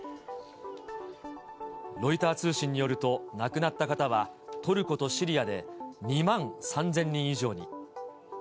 ロイター通信によると、亡くなった方は、トルコとシリアで２万３０００人以上に。